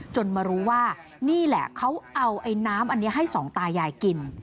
มารู้ว่านี่แหละเขาเอาไอ้น้ำอันนี้ให้สองตายายกิน